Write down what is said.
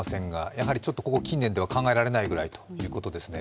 やはりちょっとここ近年では考えられないぐらいということですよね。